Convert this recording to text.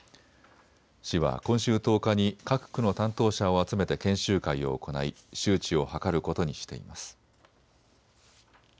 市は今週１０日に各区の担当者を集めて研修会を行い周知を図ることにしています。